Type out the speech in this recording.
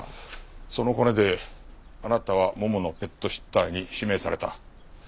そのコネであなたはもものペットシッターに指名された。